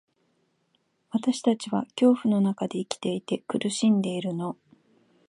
私たちは恐怖の中で生きていて、苦しんでいるの。